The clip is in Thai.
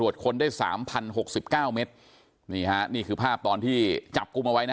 คนได้สามพันหกสิบเก้าเมตรนี่ฮะนี่คือภาพตอนที่จับกลุ่มเอาไว้นะฮะ